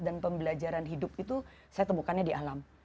dan pembelajaran hidup itu saya temukannya di alam